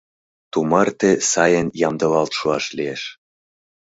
Тумарте сайын ямдылалт шуаш лиеш.